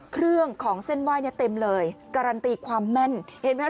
เครื่องของเส้นไหว้เนี่ยเต็มเลยการันตีความแม่นเห็นไหม